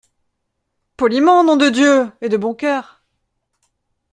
Poliment, nom de Dieu ! et de bon cœur…